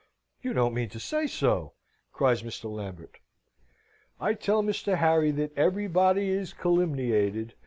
"You don't mean to say so!" cries Mr. Lambert. "I tell Mr. Harry that everybody is calumniated!"